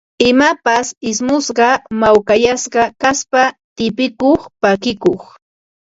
Imapas ismusqa, mawkayasqa kaspa tipikuq, pakikuq